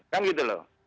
kan gitu lho